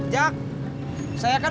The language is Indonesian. jak saya kan